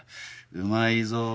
うまいぞ。